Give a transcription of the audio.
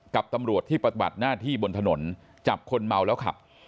กับตำรวจที่ปฏิบัติหน้าที่บนถนนจับคนเมาแล้วขับ